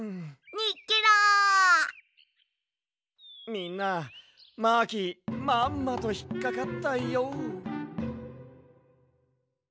みんなマーキーまんまとひっかかったＹＯ。